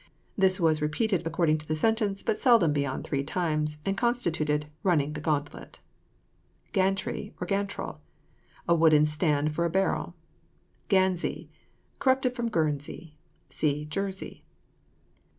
This was repeated according to the sentence, but seldom beyond three times, and constituted "running the gauntlet." GANTREE, OR GANTRIL. A wooden stand for a barrel. GANZEE. Corrupted from Guernsey. (See JERSEY.)